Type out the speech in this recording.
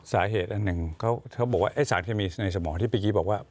สาเหตุอันหนึ่งเขาบอกว่าไอ้สารเคมีในสมองที่เมื่อกี้บอกว่า